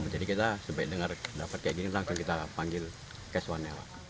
jadi kita sebaik dengar dapat kayak gini langsung kita panggil cash one